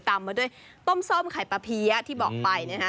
ตามมาด้วยต้มส้มไข่ปลาเพี้ยที่บอกไปนะฮะ